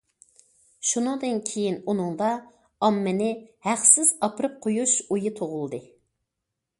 شۇنىڭدىن كېيىن، ئۇنىڭدا ئاممىنى ھەقسىز ئاپىرىپ قويۇش ئويى تۇغۇلدى.